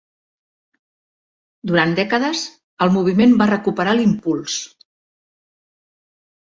Durant dècades, el moviment va recuperar l'impuls.